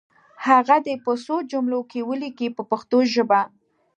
هغه دې په څو جملو کې ولیکي په پښتو ژبه.